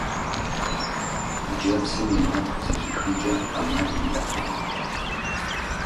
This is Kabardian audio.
Хъыджэбзым и макъыр зэхихынкӀэ Ӏэмал иӀэтэкъым.